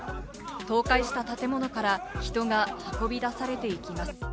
倒壊した建物から人が運び出されていきます。